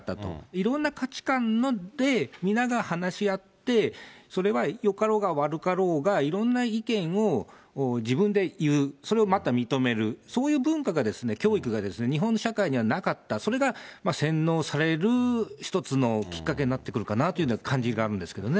いろんな価値観で皆が話し合って、それはよかろうが悪かろうが、いろんな意見を自分で言う、それをまた認める、そういう文化が、教育が、日本社会にはなかった、それが洗脳される一つのきっかけになってくるかなという感じがあるんですけどね。